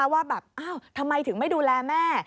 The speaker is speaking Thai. ว่าแบบอ้าวทำไมถึงไม่ดูแลแม่